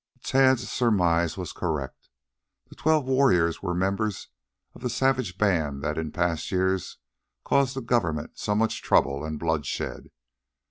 Tad's surmise was correct. The twelve warriors were members of the savage band that had in past years caused the Government so much trouble and bloodshed.